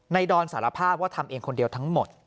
ดอนสารภาพว่าทำเองคนเดียวทั้งหมด